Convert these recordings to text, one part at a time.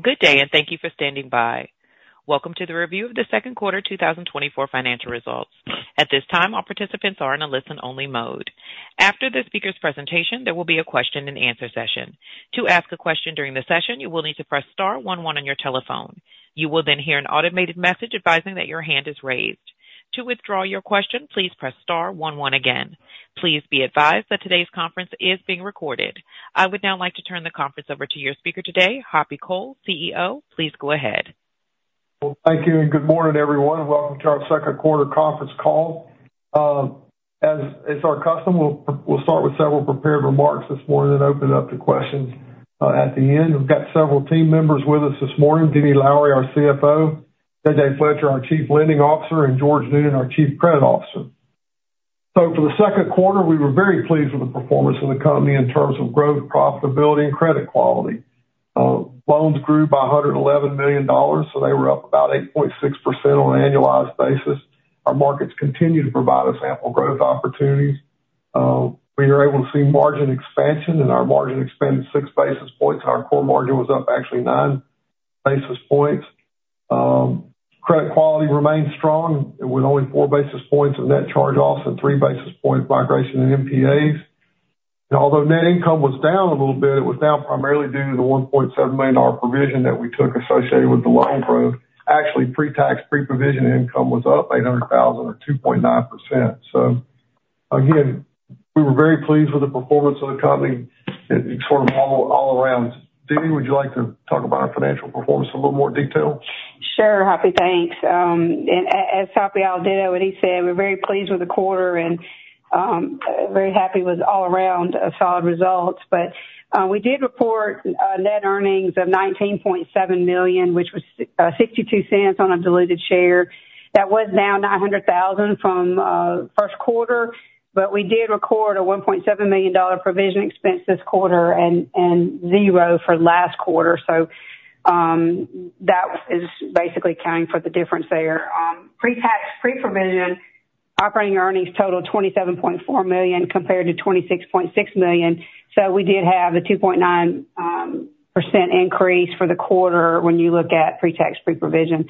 Good day, and thank you for standing by. Welcome to the review of the second quarter 2024 financial results. At this time, all participants are in a listen-only mode. After the speaker's presentation, there will be a question and answer session. To ask a question during the session, you will need to press star one one on your telephone. You will then hear an automated message advising that your hand is raised. To withdraw your question, please press star one one again. Please be advised that today's conference is being recorded. I would now like to turn the conference over to your speaker today, Hoppy Cole, CEO. Please go ahead. Well, thank you, and good morning, everyone, and welcome to our second quarter conference call. As is our custom, we'll, we'll start with several prepared remarks this morning and open it up to questions at the end. We've got several team members with us this morning, Dee Dee Lowery, our CFO; JJ Fletcher, our Chief Lending Officer; and George Noonan, our Chief Credit Officer. So for the second quarter, we were very pleased with the performance of the company in terms of growth, profitability, and credit quality. Loans grew by $111 million, so they were up about 8.6% on an annualized basis. Our markets continue to provide us ample growth opportunities. We are able to see margin expansion, and our margin expanded six basis points, and our core margin was up actually nine basis points. Credit quality remained strong, with only four basis points of net charge-offs and three basis points migration in NPAs. And although net income was down a little bit, it was down primarily due to the $1.7 million provision that we took associated with the loan growth. Actually, pre-tax, pre-provision income was up $800,000, or 2.9%. So again, we were very pleased with the performance of the company, it sort of all, all around. Dee Dee, would you like to talk about our financial performance in a little more detail? Sure, Hoppy. Thanks. And as Hoppy already did what he said, we're very pleased with the quarter and, very happy with all around solid results. But, we did report, net earnings of $19.7 million, which was $0.62 on a diluted share. That was down $900,000 from, first quarter, but we did record a $1.7 million provision expense this quarter and, and zero for last quarter. So, that is basically accounting for the difference there. Pre-tax, pre-provision, operating earnings totaled $27.4 million compared to $26.6 million, so we did have a 2.9% increase for the quarter when you look at pre-tax, pre-provision.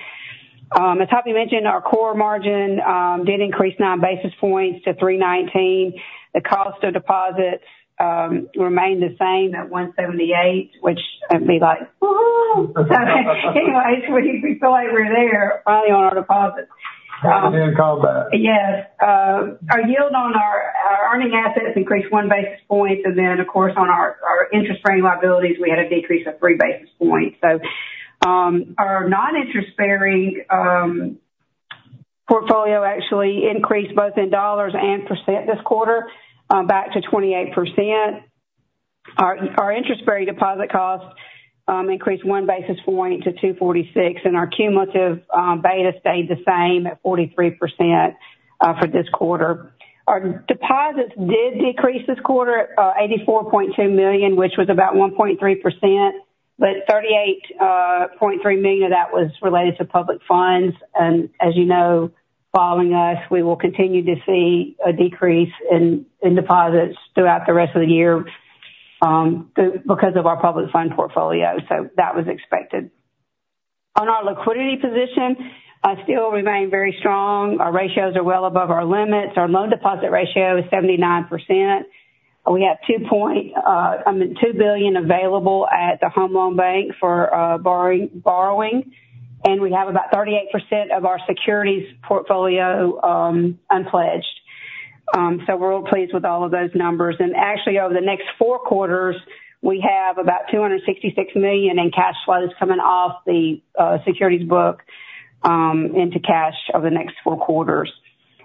As Hoppy mentioned, our core margin did increase 9 basis points to 3.19%. The cost of deposits remained the same at 1.78%, which made me like, "Woo-hoo!" Anyways, we feel like we're there, finally, on our deposits. Happy to call that. Yes. Our yield on our earning assets increased one basis point, and then, of course, on our interest-bearing liabilities, we had a decrease of three basis points. So, our non-interest-bearing portfolio actually increased both in dollars and percent this quarter back to 28%. Our interest-bearing deposit costs increased one basis point to 2.46%, and our cumulative beta stayed the same at 43% for this quarter. Our deposits did decrease this quarter $84.2 million, which was about 1.3%, but $38.3 million of that was related to public funds. And as you know, following us, we will continue to see a decrease in deposits throughout the rest of the year because of our public fund portfolio, so that was expected. On our liquidity position, still remain very strong. Our ratios are well above our limits. Our loan deposit ratio is 79%. We have I mean, $2 billion available at the Home Loan Bank for borrowing, and we have about 38% of our securities portfolio unpledged. So we're real pleased with all of those numbers. And actually, over the next four quarters, we have about $266 million in cash flows coming off the securities book into cash over the next four quarters.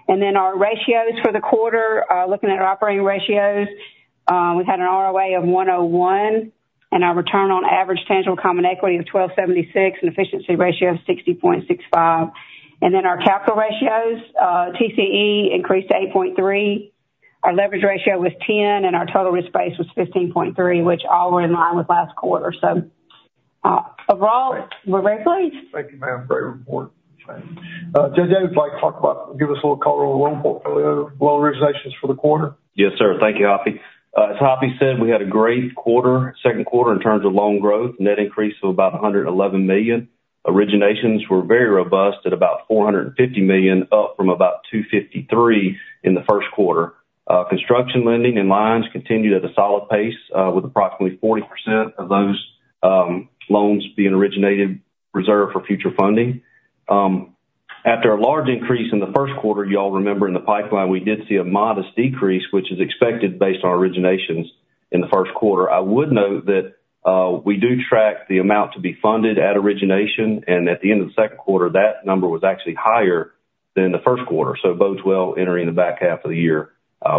And then our ratios for the quarter, looking at our operating ratios, we've had an ROA of 1.01, and our return on average tangible common equity of 12.76%, and efficiency ratio of 60.65%. And then our capital ratios, TCE increased to 8.3%. Our leverage ratio was 10%, and our total risk-based was 15.3%, which all were in line with last quarter. So, overall, we're very pleased. Thank you, ma'am. Great report. JJ, would you like to talk about, give us a little color on the loan portfolio, loan originations for the quarter? Yes, sir. Thank you, Hoppy. As Hoppy said, we had a great quarter, second quarter, in terms of loan growth. Net increase of about $111 million. Originations were very robust at about $450 million, up from about $253 million in the first quarter. Construction lending and lines continued at a solid pace, with approximately 40% of those loans being originated, reserved for future funding. After a large increase in the first quarter, you all remember in the pipeline, we did see a modest decrease, which is expected based on originations in the first quarter. I would note that, we do track the amount to be funded at origination, and at the end of the second quarter, that number was actually higher than the first quarter, so bodes well entering the back half of the year,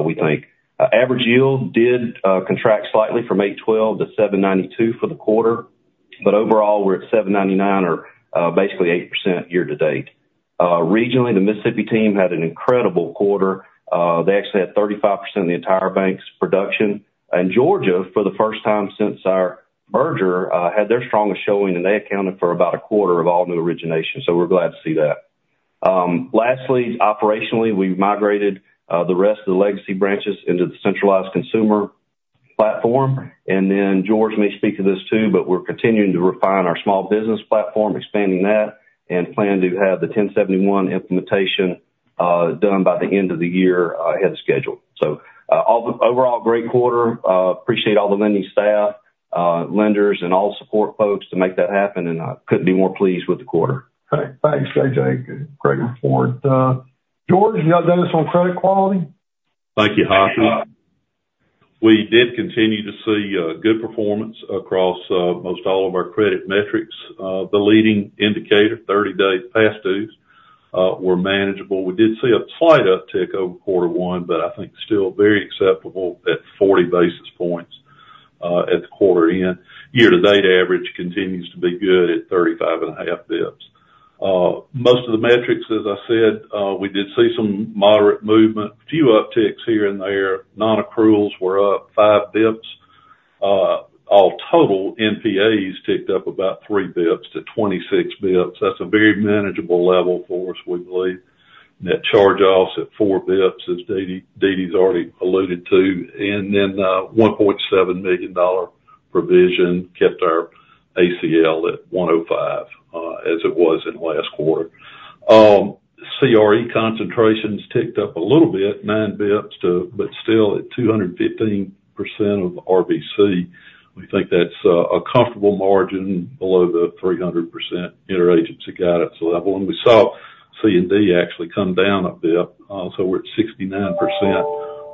we think. Average yield did contract slightly from 8.12% to 7.92% for the quarter, but overall, we're at 7.99% or basically 8% year to date. Regionally, the Mississippi team had an incredible quarter. They actually had 35% of the entire bank's production. And Georgia, for the first time since our merger, had their strongest showing, and they accounted for about a quarter of all new originations. So we're glad to see that. Lastly, operationally, we've migrated the rest of the legacy branches into the centralized consumer platform. And then George may speak to this too, but we're continuing to refine our small business platform, expanding that, and plan to have the 1071 implementation done by the end of the year, ahead of schedule. So, overall, great quarter. Appreciate all the lending staff, lenders, and all support folks to make that happen, and I couldn't be more pleased with the quarter. Okay, thanks, JJ. Great report. George, you want to tell us on credit quality? Thank you, Hoppy. We did continue to see good performance across most all of our credit metrics. The leading indicator, 30-day past dues, were manageable. We did see a slight uptick over quarter one, but I think still very acceptable at 40 basis points at the quarter end. Year-to-date average continues to be good at 35.5 basis points. Most of the metrics, as I said, we did see some moderate movement. A few upticks here and there. Non-accruals were up 5 basis points. All total, NPAs ticked up about 3 basis points to 26 basis points. That's a very manageable level for us, we believe. Net charge-offs at 4 basis points, as Dee Dee, Dee Dee's already alluded to, and then $1.7 million provision kept our ACL at 105, as it was in last quarter. CRE concentrations ticked up a little bit, 9 basis points, but still at 215% of RBC. We think that's a comfortable margin below the 300% interagency guidance level. And we saw C&D actually come down a bit, so we're at 69%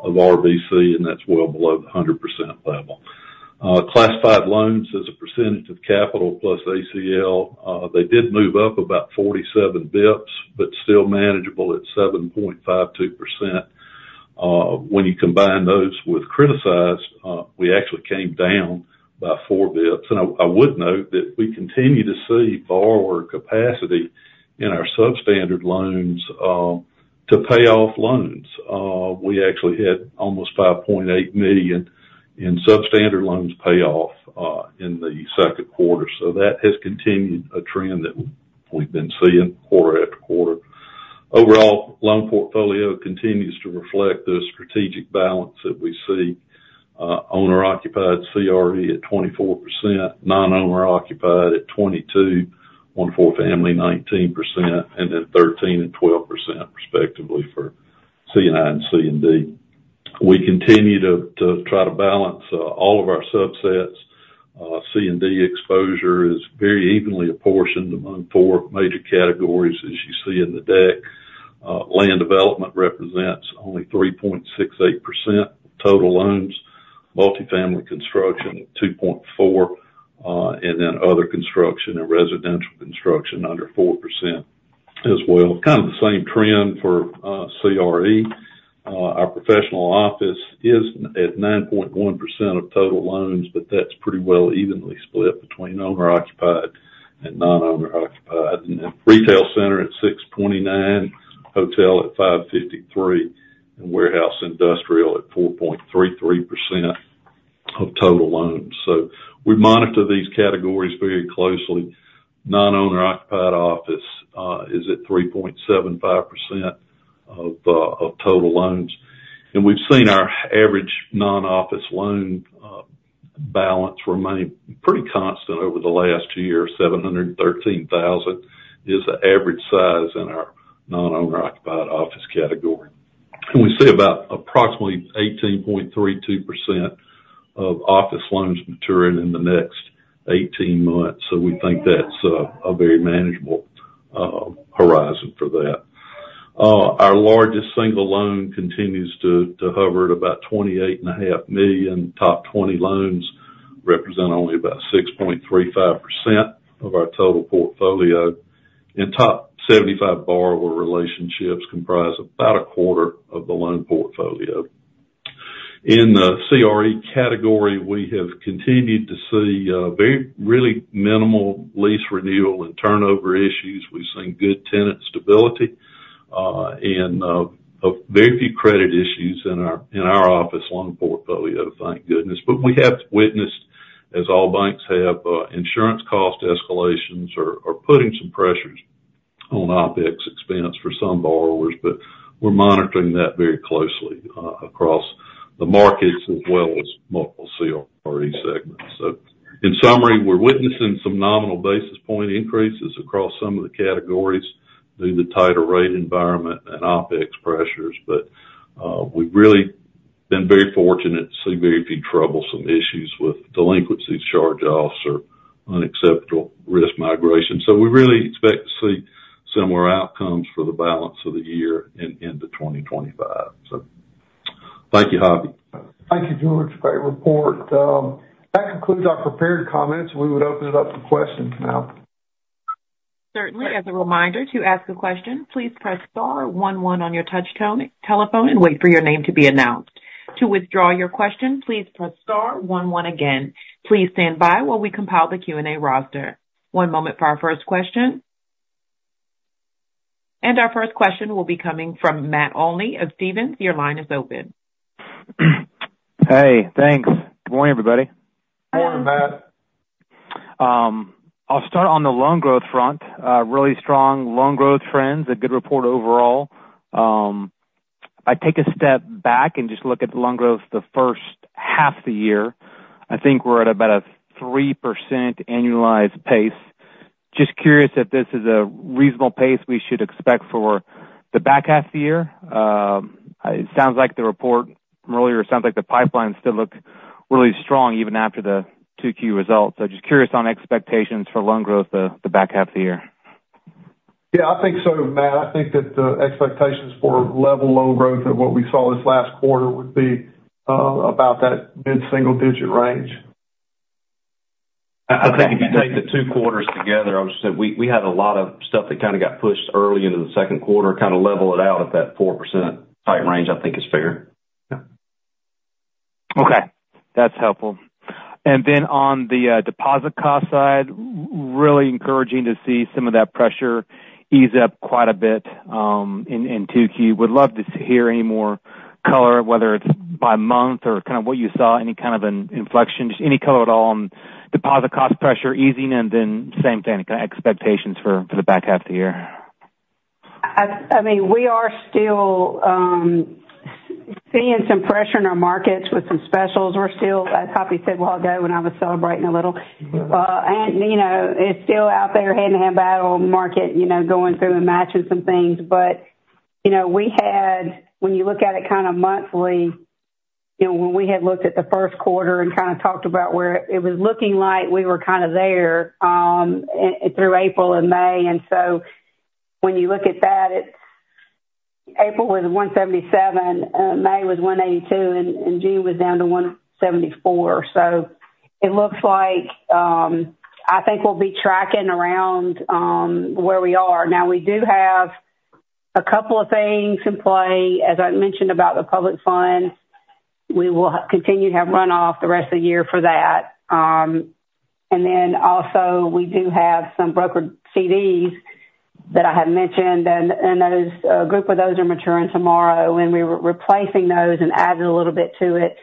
of RBC, and that's well below the 100% level. Classified loans as a percentage of capital plus ACL, they did move up about 47 basis points, but still manageable at 7.52%. When you combine those with criticized, we actually came down by 4 basis points. And I would note that we continue to see borrower capacity in our substandard loans to pay off loans. We actually had almost $5.8 million in substandard loans pay off in the second quarter, so that has continued a trend that we've been seeing quarter after quarter. Overall, loan portfolio continues to reflect the strategic balance that we see, owner-occupied CRE at 24%, non-owner occupied at 22%, 1-4 family, 19%, and then 13% and 12%, respectively, for C&I and C&D. We continue to try to balance all of our subsets. C&D exposure is very evenly apportioned among four major categories, as you see in the deck. Land development represents only 3.68% total loans, multifamily construction at 2.4%, and then other construction and residential construction under 4% as well. Kind of the same trend for CRE. Our professional office is at 9.1% of total loans, but that's pretty well evenly split between owner-occupied and non-owner occupied, and then retail center at 6.29, hotel at 5.53, and warehouse industrial at 4.33% of total loans. So we monitor these categories very closely. Non-owner occupied office is at 3.75% of total loans. And we've seen our average non-office loan balance remain pretty constant over the last year. 713,000 is the average size in our non-owner occupied office category. And we see about approximately 18.32% of office loans maturing in the next 18 months, so we think that's a very manageable horizon for that. Our largest single loan continues to hover at about $28.5 million. Top 20 loans represent only about 6.35% of our total portfolio, and top 75 borrower relationships comprise about a quarter of the loan portfolio. In the CRE category, we have continued to see very, really minimal lease renewal and turnover issues. We've seen good tenant stability, and a very few credit issues in our office loan portfolio, thank goodness. But we have witnessed, as all banks have, insurance cost escalations are putting some pressures on OpEx expense for some borrowers, but we're monitoring that very closely across the markets as well as multiple CRE segments. So in summary, we're witnessing some nominal basis point increases across some of the categories due to tighter rate environment and OpEx pressures. But we've really been very fortunate to see very few troublesome issues with delinquencies, charge-offs, or unacceptable risk migration. We really expect to see similar outcomes for the balance of the year into 2025. So Thank you, Hoppy. Thank you, George. Great report. That concludes our prepared comments. We would open it up to questions now. Certainly. As a reminder, to ask a question, please press star one one on your touch tone telephone and wait for your name to be announced. To withdraw your question, please press star one one again. Please stand by while we compile the Q&A roster. One moment for our first question. Our first question will be coming from Matt Olney of Stephens. Your line is open. Hey, thanks. Good morning, everybody. Morning, Matt.... I'll start on the loan growth front. Really strong loan growth trends, a good report overall. I take a step back and just look at the loan growth the first half of the year, I think we're at about a 3% annualized pace. Just curious if this is a reasonable pace we should expect for the back half of the year? It sounds like the report from earlier, it sounds like the pipeline still look really strong even after the two key results. So just curious on expectations for loan growth the back half of the year? Yeah, I think so, Matt. I think that the expectations for level loan growth and what we saw this last quarter would be about that mid-single digit range. I think if you take the two quarters together, obviously, we had a lot of stuff that kind of got pushed early into the second quarter, kind of level it out at that 4% type range, I think is fair. Okay, that's helpful. And then on the deposit cost side, really encouraging to see some of that pressure ease up quite a bit, in Q2. Would love to hear any more color, whether it's by month or kind of what you saw, any kind of an inflection, just any color at all on deposit cost pressure easing, and then same thing, kind of expectations for the back half of the year. I mean, we are still seeing some pressure in our markets with some specials. We're still, as Hoppy said a while ago, when I was celebrating a little, and, you know, it's still out there, hand-to-hand battle market, you know, going through and matching some things. But, you know, we had—when you look at it kind of monthly, you know, when we had looked at the first quarter and kind of talked about where it was looking like we were kind of there, through April and May, and so when you look at that, it's April was 177, May was 182, and June was down to 174. So it looks like, I think we'll be tracking around where we are. Now, we do have a couple of things in play, as I mentioned about the public funds. We will continue to have runoff the rest of the year for that. And then also, we do have some brokered CDs that I had mentioned, and those, a group of those are maturing tomorrow, and we were replacing those and adding a little bit to it.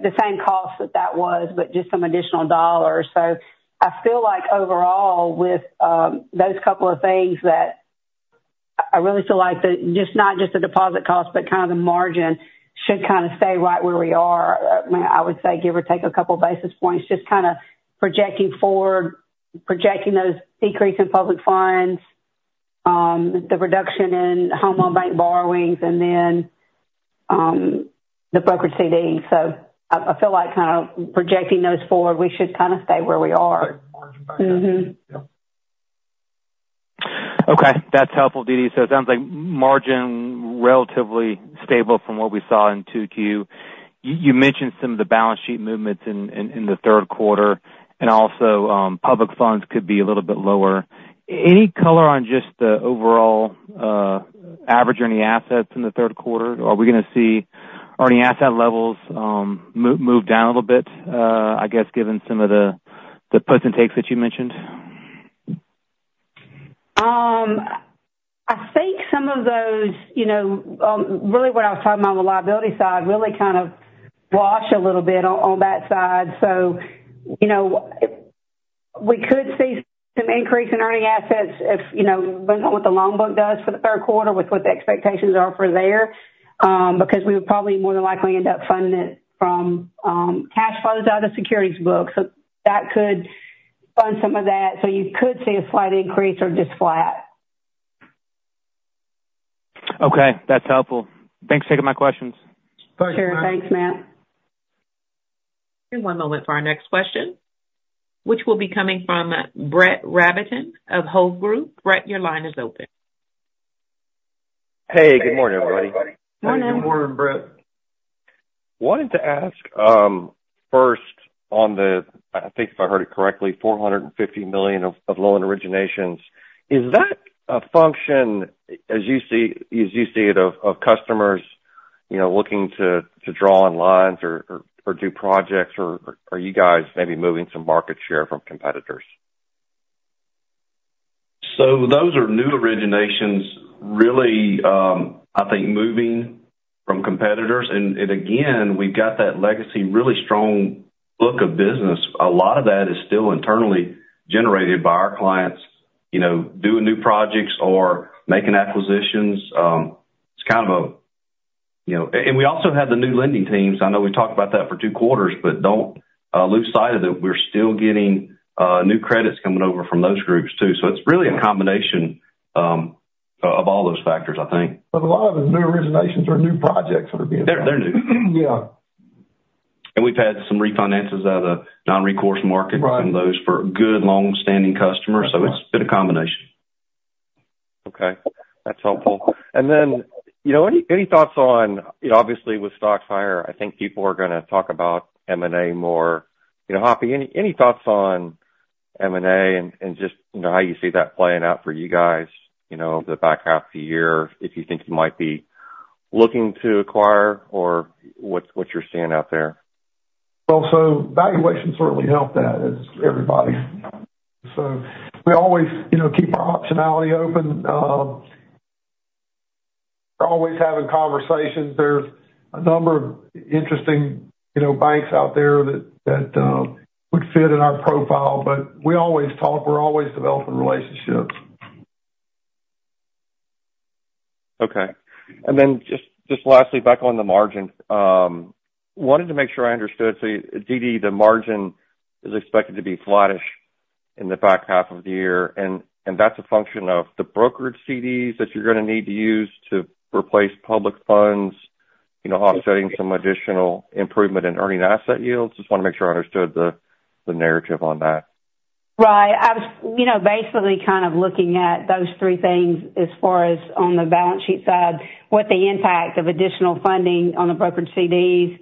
The same cost that that was, but just some additional dollars. So I feel like overall, with those couple of things that I really feel like that just, not just the deposit cost, but kind of the margin should kind of stay right where we are. I would say give or take a couple of basis points, just kind of projecting forward, projecting those decrease in public funds, the reduction in Home Loan Bank borrowings, and then the brokered CD. So I feel like kind of projecting those forward, we should kind of stay where we are. Mm-hmm. Okay, that's helpful, Dee Dee. So it sounds like margin, relatively stable from what we saw in Q2. You mentioned some of the balance sheet movements in the third quarter, and also, public funds could be a little bit lower. Any color on just the overall, average earning assets in the third quarter? Are we gonna see earning asset levels, move down a little bit, I guess, given some of the puts and takes that you mentioned? I think some of those, you know, really what I was talking about on the liability side, really kind of wash a little bit on, on that side. So, you know, we could see some increase in earning assets if, you know, what the loan book does for the third quarter, with what the expectations are for there, because we would probably more than likely end up funding it from, cash flows out of the securities book. So that could fund some of that, so you could see a slight increase or just flat. Okay, that's helpful. Thanks for taking my questions. Sure. Thanks, Matt. One moment for our next question, which will be coming from Brett Rabatin of Hovde Group. Brett, your line is open. Hey, good morning, everybody. Morning. Good morning, Brett. Wanted to ask first on the... I think if I heard it correctly, $450 million of loan originations, is that a function, as you see it, of customers, you know, looking to draw on lines or do projects, or are you guys maybe moving some market share from competitors? So those are new originations, really, I think moving from competitors. And again, we've got that legacy, really strong book of business. A lot of that is still internally generated by our clients, you know, doing new projects or making acquisitions. It's kind of a, you know. And we also have the new lending teams. I know we talked about that for two quarters, but don't lose sight of that we're still getting new credits coming over from those groups, too. So it's really a combination of all those factors, I think. But a lot of the new originations are new projects that are being- They're new. Yeah. We've had some refinances out of the non-recourse market- Right -from those for good, long-standing customers. That's right. So it's been a combination. Okay, that's helpful. And then, you know, any, any thoughts on, you know, obviously with stocks higher, I think people are gonna talk about M&A more. You know, Hoppy, any, any thoughts on M&A and, and just, you know, how you see that playing out for you guys, you know, the back half of the year, if you think you might be looking to acquire or what's, what you're seeing out there? Well, so valuation certainly helped that as everybody. So we always, you know, keep our optionality open. ... We're always having conversations. There's a number of interesting, you know, banks out there that would fit in our profile, but we always talk. We're always developing relationships. Okay. And then just, just lastly, back on the margin, wanted to make sure I understood. So Dee Dee, the margin is expected to be flattish in the back half of the year, and, and that's a function of the brokered CDs that you're gonna need to use to replace public funds, you know, offsetting some additional improvement in earning asset yields? Just wanna make sure I understood the, the narrative on that. Right. I was, you know, basically kind of looking at those three things as far as on the balance sheet side, what the impact of additional funding on the brokered CDs,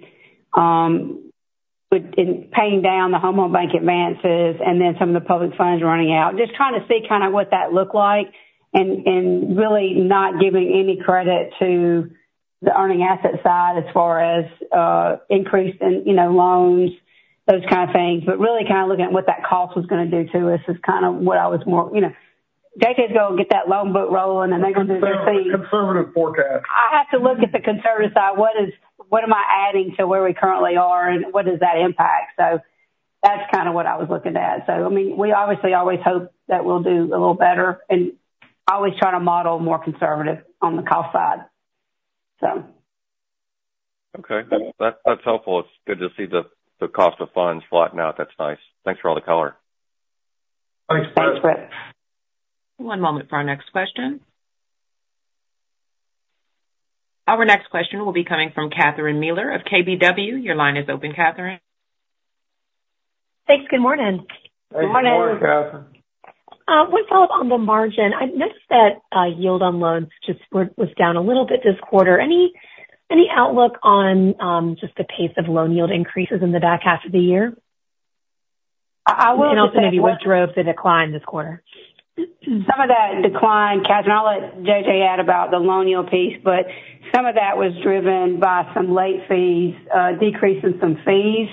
with, and paying down the home loan bank advances, and then some of the public funds running out. Just trying to see kind of what that looked like, and really not giving any credit to the earning asset side as far as increase in, you know, loans, those kind of things. But really kind of looking at what that cost was gonna do to us is kind of what I was more, you know, JJ, go and get that loan book rolling, and then- Conservative forecast. I have to look at the conservative side. What am I adding to where we currently are, and what is that impact? So that's kind of what I was looking at. So I mean, we obviously always hope that we'll do a little better and always try to model more conservative on the cost side, so. Okay. That's helpful. It's good to see the cost of funds flatten out. That's nice. Thanks for all the color. Thanks. Thanks, Brett. One moment for our next question. Our next question will be coming from Catherine Mealor of KBW. Your line is open, Catherine. Thanks. Good morning. Good morning. Good morning, Catherine. With follow-up on the margin, I noticed that yield on loans just was down a little bit this quarter. Any outlook on just the pace of loan yield increases in the back half of the year? I will And also maybe what drove the decline this quarter? Some of that decline, Catherine, and I'll let JJ add about the loan yield piece, but some of that was driven by some late fees, decrease in some fees.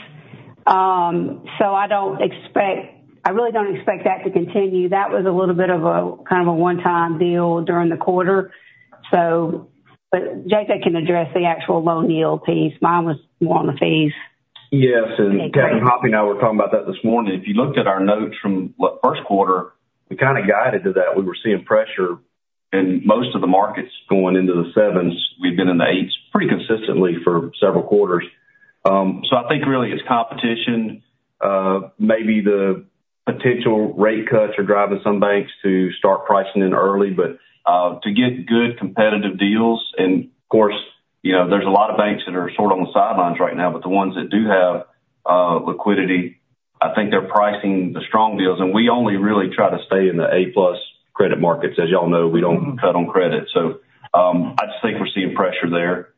So I don't expect - I really don't expect that to continue. That was a little bit of a, kind of a one-time deal during the quarter. So, but JJ can address the actual loan yield piece. Mine was more on the fees. Yes, and Captain Hoppy and I were talking about that this morning. If you looked at our notes from first quarter, we kind of guided to that. We were seeing pressure in most of the markets going into the sevens. We've been in the eights pretty consistently for several quarters. So I think really it's competition. Maybe the potential rate cuts are driving some banks to start pricing in early, but to get good competitive deals, and of course, you know, there's a lot of banks that are sort of on the sidelines right now, but the ones that do have liquidity, I think they're pricing the strong deals. And we only really try to stay in the A-plus credit markets. As you all know, we don't cut on credit. So I just think we're seeing pressure there.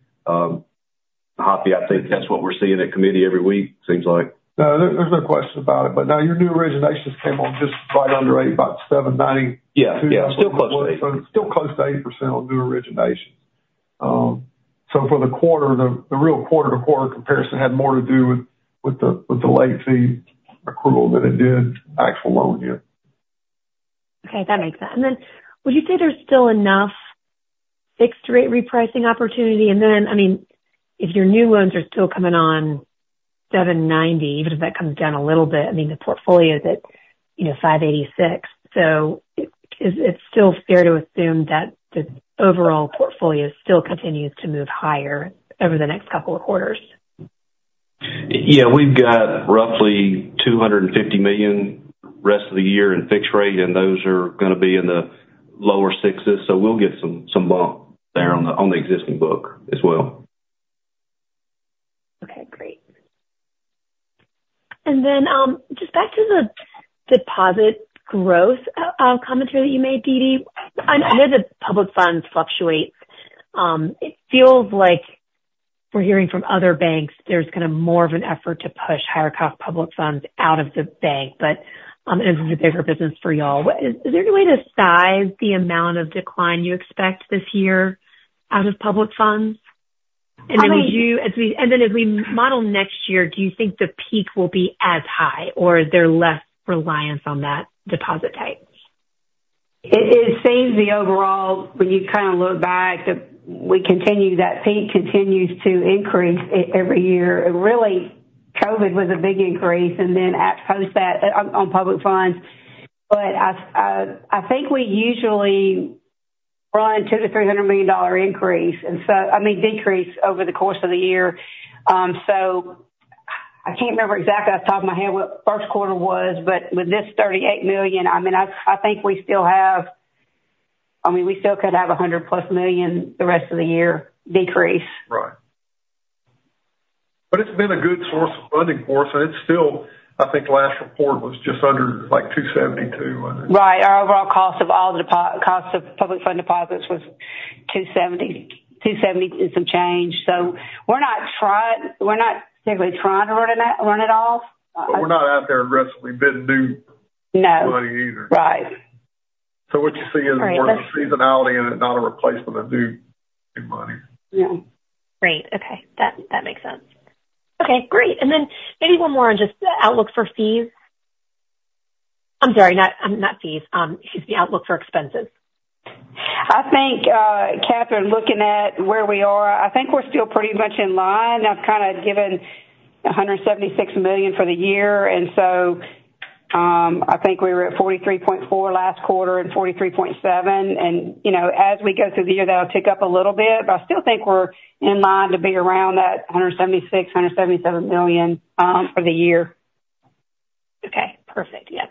Hoppy, I think that's what we're seeing at committee every week, seems like. No, there, there's no question about it. But now your new originations came on just right under 8, about 7.9. Yeah, yeah, still close to 8. Still close to 8% on new originations. So for the quarter, the real quarter-to-quarter comparison had more to do with the late fee accrual than it did actual loan yield. Okay, that makes sense. And then, would you say there's still enough fixed rate repricing opportunity? And then, I mean, if your new loans are still coming on 7.90, even if that comes down a little bit, I mean, the portfolio is at, you know, 5.86. So is it still fair to assume that the overall portfolio still continues to move higher over the next couple of quarters? Yeah, we've got roughly $250 million rest of the year in fixed rate, and those are gonna be in the lower sixes, so we'll get some bump there on the existing book as well. Okay, great. And then, just back to the deposit growth commentary that you made, Dee Dee. I, I know that public funds fluctuates. It feels like we're hearing from other banks there's kind of more of an effort to push higher cost public funds out of the bank, but, and this is a bigger business for y'all. Is there any way to size the amount of decline you expect this year out of public funds? I mean- And then as we model next year, do you think the peak will be as high, or is there less reliance on that deposit type? It seems the overall, when you kind of look back, the peak continues to increase every year. Really, COVID was a big increase, and then post that, on public funds. But I've, I think we usually run a $200 million-$300 million increase, and so... I mean, decrease over the course of the year. So I can't remember exactly off the top of my head what first quarter was, but with this $38 million, I mean, I think we still have-- I mean, we still could have $100+ million the rest of the year decrease. Right. But it's been a good source of funding for us, and it's still... I think last report was just under, like, $272, wasn't it? Right. Our overall cost of public funds was 270, 270 and some change. So we're not necessarily trying to run it all. But we're not out there aggressively bidding new- No. -money either. Right. What you see is more of a seasonality and not a replacement of new, new money. Yeah. Great. Okay, that, that makes sense. Okay, great. And then maybe one more on just the outlook for fees.... I'm sorry, not, not fees, just the outlook for expenses. I think, Catherine, looking at where we are, I think we're still pretty much in line. I've kind of given $176 million for the year, and so, I think we were at 43.4 last quarter and 43.7. And, you know, as we go through the year, that'll tick up a little bit, but I still think we're in line to be around that $176-$177 million for the year. Okay, perfect. Yeah.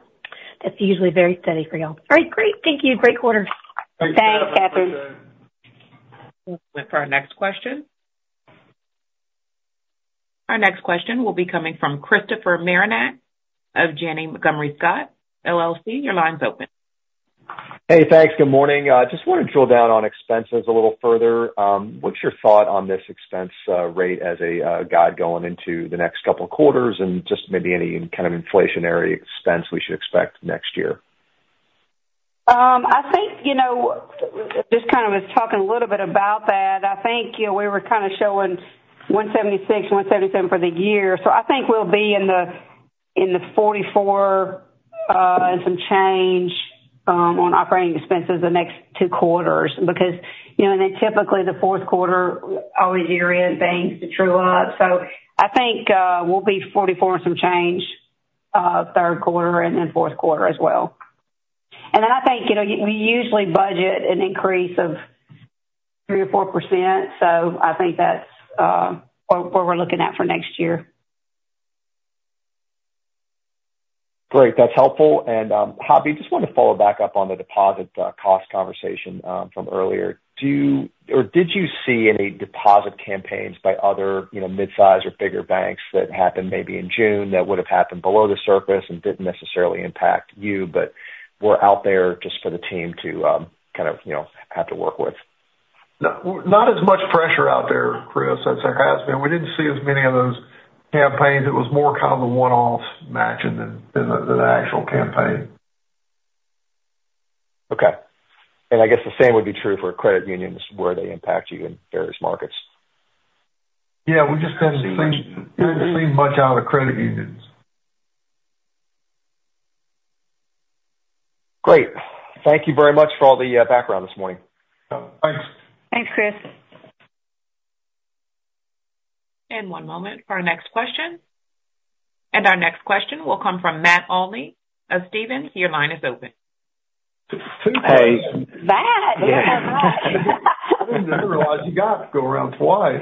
That's usually very steady for y'all. All right, great! Thank you. Great quarter. Thanks, Catherine. Wait for our next question. Our next question will be coming from Christopher Marinac of Janney Montgomery Scott, LLC. Your line's open. Hey, thanks. Good morning. Just wanted to drill down on expenses a little further. What's your thought on this expense rate as a guide going into the next couple quarters and just maybe any kind of inflationary expense we should expect next year? I think, you know, just kind of was talking a little bit about that. I think, you know, we were kind of showing 176, 177 for the year. So I think we'll be in the, in the 44, and some change, on operating expenses the next two quarters. Because, you know, and then typically the fourth quarter, all these year-end things to true up. So I think, we'll be 44 and some change, third quarter and then fourth quarter as well. And then I think, you know, we usually budget an increase of 3%-4%, so I think that's, what, what we're looking at for next year. Great, that's helpful. Hoppy, just wanted to follow back up on the deposit cost conversation from earlier. Do you or did you see any deposit campaigns by other, you know, midsize or bigger banks that happened maybe in June, that would have happened below the surface and didn't necessarily impact you, but were out there just for the team to, kind of, you know, have to work with? Not as much pressure out there, Chris, as there has been. We didn't see as many of those campaigns. It was more kind of a one-off matching than an actual campaign. Okay. I guess the same would be true for credit unions, where they impact you in various markets? Yeah, we just haven't seen, haven't seen much out of the credit unions. Great. Thank you very much for all the background this morning. Thanks. Thanks, Chris. One moment for our next question. Our next question will come from Matt Olney of Stephens. Your line is open. Hey. Matt! I didn't realize you got to go around twice.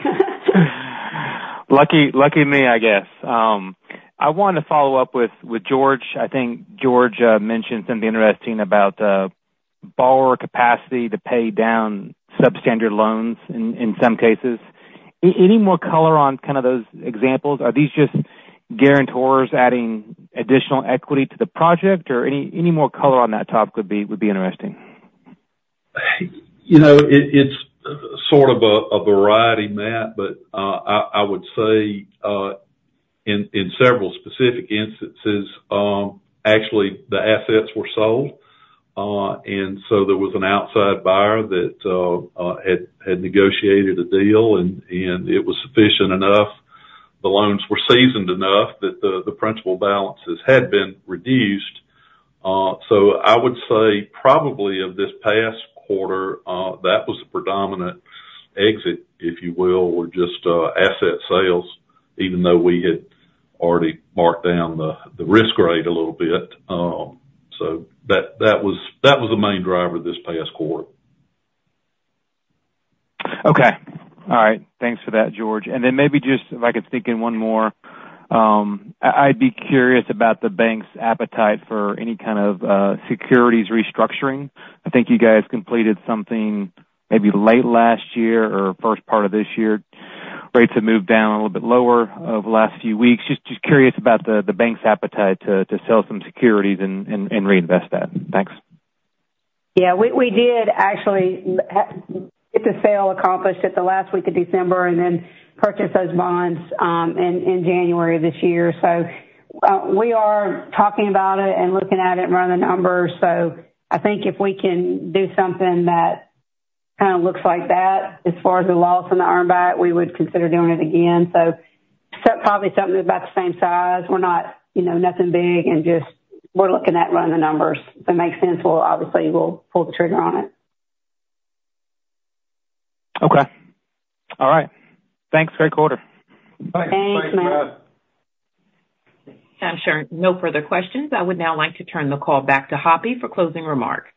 Lucky, lucky me, I guess. I wanted to follow up with George. I think George mentioned something interesting about borrower capacity to pay down substandard loans in some cases. Any more color on kind of those examples? Are these just guarantors adding additional equity to the project, or any more color on that topic would be interesting. You know, it's sort of a variety, Matt, but I would say in several specific instances, actually, the assets were sold. And so there was an outside buyer that had negotiated a deal, and it was sufficient enough. The loans were seasoned enough that the principal balances had been reduced. So I would say probably of this past quarter, that was the predominant exit, if you will, or just asset sales, even though we had already marked down the risk rate a little bit. So that was the main driver this past quarter. Okay. All right. Thanks for that, George. And then maybe just if I could sneak in one more, I'd be curious about the bank's appetite for any kind of securities restructuring. I think you guys completed something maybe late last year or first part of this year. Rates have moved down a little bit lower over the last few weeks. Just, just curious about the bank's appetite to sell some securities and reinvest that. Thanks. Yeah, we did actually get the sale accomplished at the last week of December and then purchased those bonds in January of this year. So, we are talking about it and looking at it and running the numbers. So I think if we can do something that kind of looks like that, as far as the loss and the earn back, we would consider doing it again. So probably something about the same size. We're not, you know, nothing big and just... We're looking at running the numbers. If it makes sense, we'll obviously pull the trigger on it. Okay. All right. Thanks. Great quarter. Thanks, Matt. I'm sure no further questions. I would now like to turn the call back to Hoppy for closing remarks.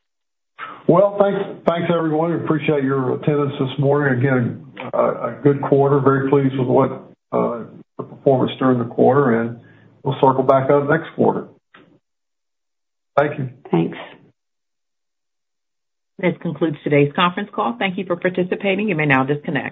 Well, thanks, thanks, everyone. We appreciate your attendance this morning. Again, a good quarter. Very pleased with what, the performance during the quarter, and we'll circle back up next quarter. Thank you. Thanks. This concludes today's conference call. Thank you for participating. You may now disconnect.